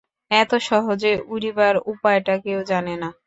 এত সহজে উড়িবার উপায়টা কেউ জানে না?